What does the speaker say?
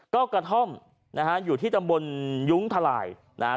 ก็กระท่อมนะฮะอยู่ที่ตำบลยุ้งทลายนะฮะ